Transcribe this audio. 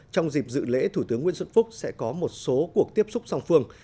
trong dịp dự lễ thủ tướng nguyễn xuân phúc sẽ có một số cuộc tiếp xúc song phương